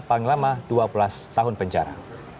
panglama dua belas tahun penjara